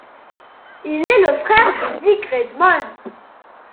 Il est le frère de Dick Redmond.